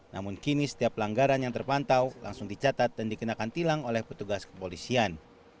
namun kini setiap pelanggaran yang terpantau langsung dicatat dan dikenakan tilang oleh petugas kepolisian